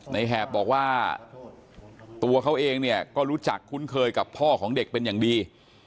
แหบบอกว่าตัวเขาเองเนี่ยก็รู้จักคุ้นเคยกับพ่อของเด็กเป็นอย่างดี